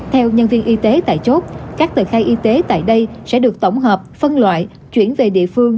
theo nhân viên y tế tại chốt các tờ khai y tế tại đây sẽ được tổng hợp phân loại chuyển về địa phương